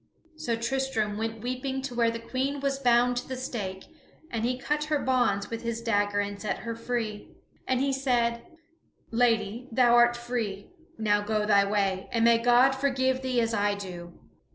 So Tristram went weeping to where the Queen was bound to the stake; and he cut her bonds with his dagger and set her free. And he said: "Lady, thou art free; now go thy way, and may God forgive thee as I do."